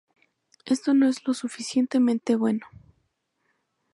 Esto no es lo suficientemente bueno.